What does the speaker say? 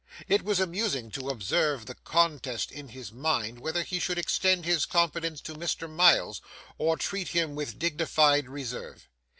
It was amusing to observe the contest in his mind whether he should extend his confidence to Mr. Miles, or treat him with dignified reserve.